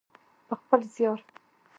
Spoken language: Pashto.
په خپل زیار.